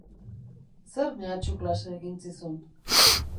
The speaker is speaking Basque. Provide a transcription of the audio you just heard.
Zer mehatxu klase egin zizun?